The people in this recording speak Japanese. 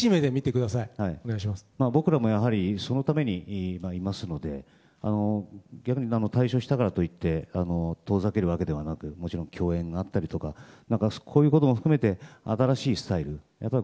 僕らもやはりそのためにいますので退所したからといって遠ざけるわけではなくもちろん共演があったりとかこういうことも含めて新しいスタイルを。